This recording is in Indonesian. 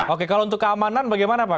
oke kalau untuk keamanan bagaimana pak